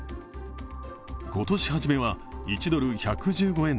今年初めは１ドル＝１１５円